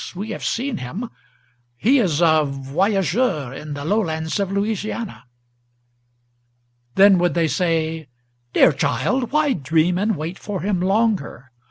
we have seen him. He is a Voyageur in the lowlands of Louisiana." Then would they say: "Dear child! why dream and wait for him longer?